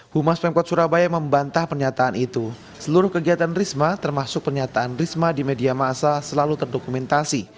humas pemkot surabaya membantah pernyataan itu seluruh kegiatan risma termasuk pernyataan risma di media masa selalu terdokumentasi